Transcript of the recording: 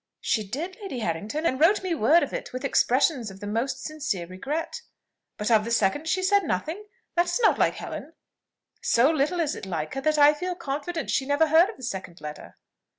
"She did, Lady Harrington, and wrote me word of it, with expressions of the most sincere regret." "But of the second she said nothing? That is not like Helen." "So little is it like her, that I feel confident she never heard of the second letter."